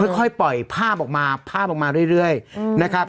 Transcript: ค่อยปล่อยภาพออกมาภาพออกมาเรื่อยนะครับ